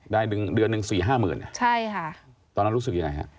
ได้เดือนหนึ่ง๔๕หมื่นตอนนั้นรู้สึกยังไงค่ะ